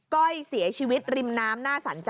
ก้อยเสียชีวิตริมน้ำหน้าสรรจ้